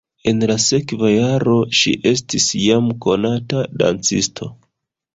En la sekva jaro ŝi estis jam konata dancisto.